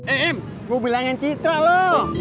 eh em gua bilangin citra loh